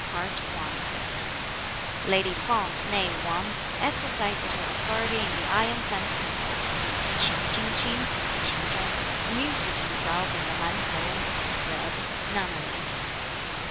CHAPTER XV. Lady Peng, née Wang, exercises her authority in the Iron Fence Temple. Ch'in Ching ch'ing (Ch'ing Chung) amuses himself in the Man t'ou (Bread) nunnery.